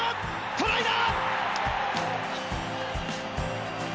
トライだ！